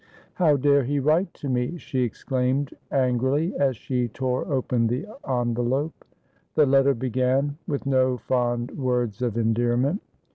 ' How dare he write to me?' she exclaimed angrily, as she tore open the envelope. The letter began with no fond words of endearment.